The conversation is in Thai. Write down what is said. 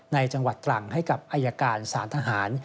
ในจังหวัดตรังให้กับอายการสารทหาร